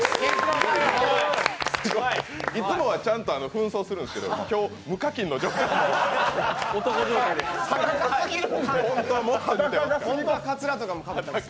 いつもはちゃんと紛争するんですけど今日、無課金の状態で。